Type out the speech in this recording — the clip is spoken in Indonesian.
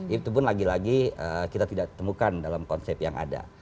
itu pun lagi lagi kita tidak temukan dalam konsep yang ada